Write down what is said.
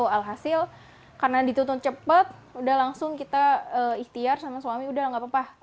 alhasil karena dituntun cepat udah langsung kita ikhtiar sama suami udah gak apa apa